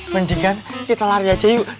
mendingan kita lari aja yuk